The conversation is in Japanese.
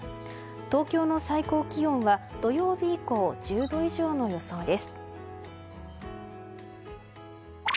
東京の最高気温は土曜日以降１０度以上の予想です。